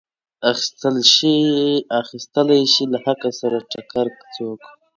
اخیستلی شي له حق سره ټکر څوک.